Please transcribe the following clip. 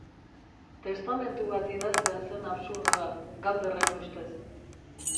Testamentu bat idaztea zen absurdoa, Galderren ustez.